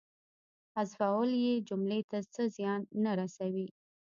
حذفول یې جملې ته څه زیان نه رسوي.